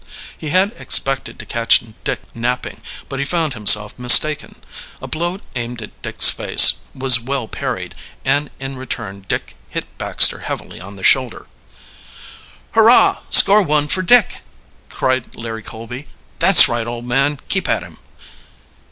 He had expected to catch Dick napping, but he found himself mistaken. A blow aimed at Dick's face was well parried, and in return Dick hit Baxter heavily on the shoulder. "Hurrah! Score one for Dick!" cried Larry Colby. "That's right, old man, keep at him."